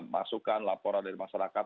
masukkan laporan dari masyarakat